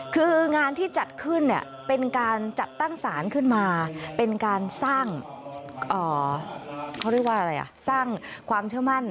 คืองานที่จัดขึ้นเป็นการจัดตั้งสารขึ้นมาเป็นการสร้างความเชื่อมั่น